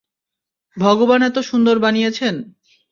ভগবান এতো সুন্দর বানিয়েছেন।